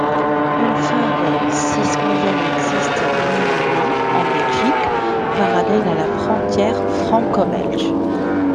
Une faille sismogène existe néanmoins en Belgique, parallèle à la frontière franco-belge.